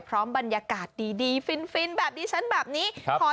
พร้อมบรรยากาศดีฟินแบบดิฉันแบบนี้ครับ